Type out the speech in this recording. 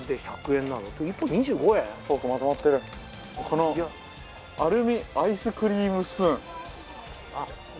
このアルミアイスクリームスプーン。